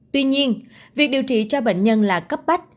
tuy nhiên việc điều trị cho bệnh nhân là cấp bách